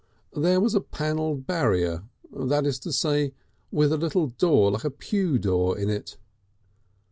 There was a panelled barrier, that is to say, with a little door like a pew door in it.